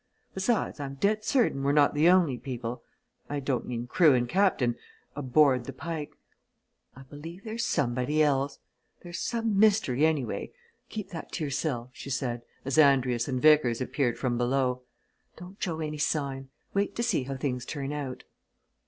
"Besides I'm dead certain we're not the only people I don't mean crew and Captain aboard the Pike. I believe there's somebody else. There's some mystery, anyway. Keep that to yourself," she said as Andrius and Vickers appeared from below. "Don't show any sign wait to see how things turn out."